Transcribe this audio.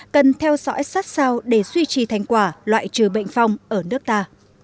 cần theo dõi sát sao để duy trì thành quả loại trừ bệnh phong ở nước ta